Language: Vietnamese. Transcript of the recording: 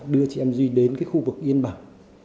đưa chị em duy đến cái khu vực yên bảo